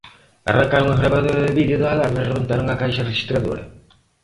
Arrancaron a gravadora de vídeo da alarma e rebentaron a caixa rexistradora.